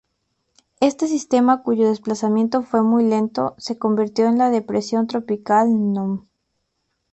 Este sistema cuyo desplazamiento fue muy lento, se convirtió en la Depresión Tropical No.